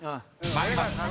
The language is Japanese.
［参ります。